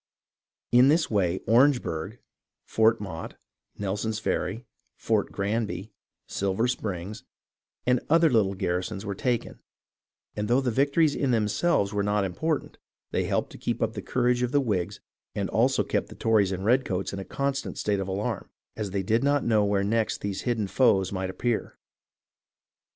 In this way Orange burgh, Fort Motte, Nelson's Ferry, Fort Granby, Silver Springs, and other little garrisons were taken, and though the victories in themselves were not important, they helped to keep up the courage of the Whigs and also kept the Tories and redcoats in a constant state of alarm, as they did not know where next these hidden foes might ap pear.